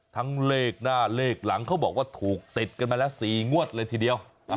ทั้งเลขหน้าเลขหลังเขาบอกว่าถูกติดกันมาแล้ว๔งวดเลยทีเดียว